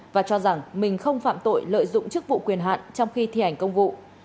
và cho rằng mình không phạm tội lợi dụng chức vụ quyền hạn trong khi thi hành công vụ